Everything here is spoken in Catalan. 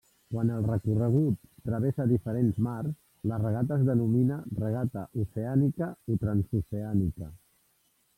Quan el recorregut travessa diferents mars, la regata es denomina regata oceànica o transoceànica.